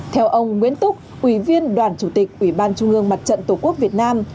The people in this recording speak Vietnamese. theo ông nguyễn túc ủy viên đoàn chủ tịch ủy ban trung ương mặt trận tổ quốc việt nam